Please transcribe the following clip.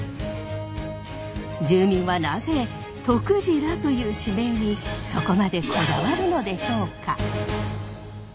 住民はなぜ「とくじら」という地名にそこまでこだわるのでしょうか？